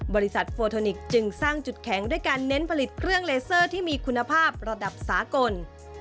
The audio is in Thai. บริษัทโฟทอนิกส์จึงสร้างจุดแข็งด้วยการเน้นผลิตเครื่องเลเซอร์ที่มีคุณภาพระดับสากล